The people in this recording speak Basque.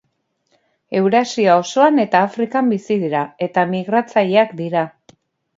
Eurasia osoan eta Afrikan bizi dira eta migratzaileak dira.